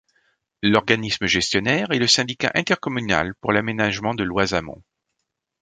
L'organisme gestionnaire est le Syndicat intercommunal pour l'aménagement de l'Oise Amont.